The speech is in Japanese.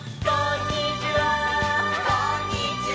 「こんにちは」